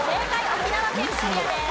沖縄県クリアです。